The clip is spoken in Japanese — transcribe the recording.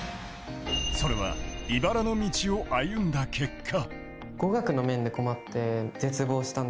それは茨の道を歩んだ結果。